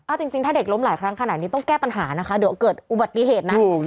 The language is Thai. เอาจริงถ้าเด็กล้มหลายครั้งขนาดนี้ต้องแก้ปัญหานะคะเดี๋ยวเกิดอุบัติเหตุนะ